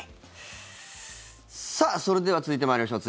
さあ、それでは続いて参りましょう。